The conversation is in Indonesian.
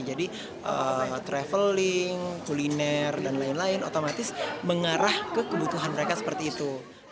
jadi traveling kuliner dan lain lain otomatis mengarah ke kebutuhan mereka seperti itu